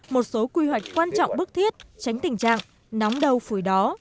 một số quy hoạch quan trọng bức thiết tránh tình trạng nóng đầu phủi đó